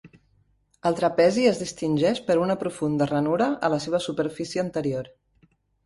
El trapezi es distingeix per una profunda ranura a la seva superfície anterior.